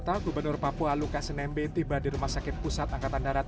di dalam di dalam di dalam di dalam